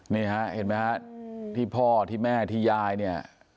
นี่ฮะเห็นไหมฮะที่พ่อที่แม่ที่ยายเนี่ย